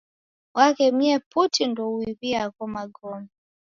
Waghemie putu ndouiw'ie agho magome.